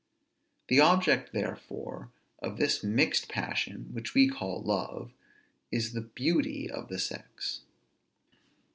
The object therefore of this mixed passion, which we call love, is the beauty of the sex.